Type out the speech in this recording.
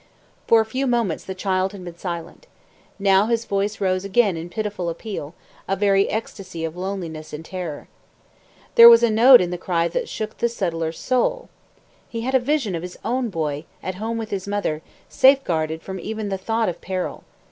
For a few moments the child had been silent. Now his voice rose again in pitiful appeal, a very ecstasy of loneliness and terror. There was a note in the cry that shook the settler's soul. He had a vision of his own boy, at home with his mother, safe guarded from even the thought of peril.